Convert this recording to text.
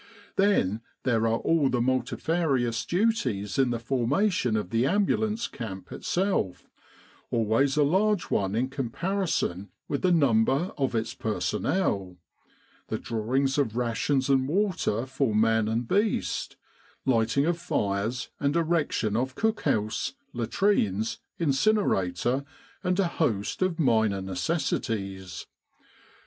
Then there are all the multifarious duties in the formation of the ambulance camp itself, always a large one in com parison with the number of its personnel the draw ing of rations and water for man and beast, lighting of fires and erection of cookhouse, latrines, inciner ator, and a host of minor necessities.